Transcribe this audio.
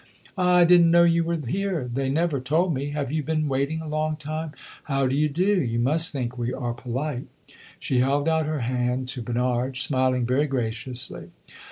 "Ah! I did n't know you were here. They never told me. Have you been waiting a long time? How d' ye do? You must think we are polite." She held out her hand to Bernard, smiling very graciously.